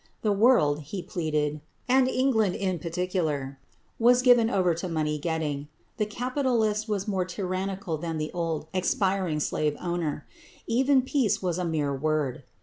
The world, he pleaded and England in particular was given over to money getting. The capitalist was more tyrannical than the old, expiring slave owner. Even peace was a mere word.